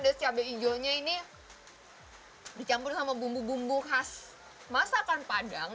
pedas cabai hijaunya ini dicampur sama bumbu bumbu khas masakan padang